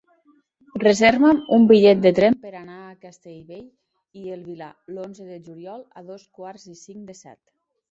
Reserva'm un bitllet de tren per anar a Castellbell i el Vilar l'onze de juliol a dos quarts i cinc de set.